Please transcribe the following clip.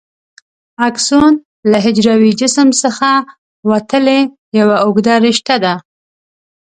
اکسون له حجروي جسم څخه وتلې یوه اوږده رشته ده.